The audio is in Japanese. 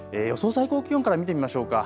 最高気温から見てみましょうか。